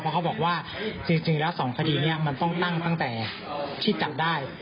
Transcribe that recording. เพราะเขาบอกว่าจริงแล้ว๒คดีนี้มันต้องตั้งตั้งแต่ที่จับได้